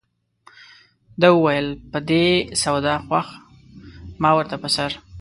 ده وویل په دې سودا خوښ ما ورته په سر.